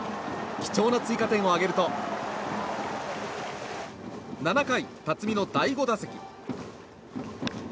貴重な追加点を挙げると７回、辰己の第５打席。